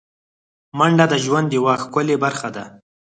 منډه د ژوند یوه ښکلی برخه ده